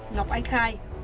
ngọc anh khai